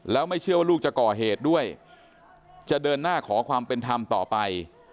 แล้วไม่เชื่อว่าลูกจะก่อเหตุด้วยจะเดินหน้าขอความเป็นธรรมต่อไป